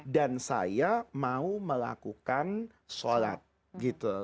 dan saya mau melakukan sholat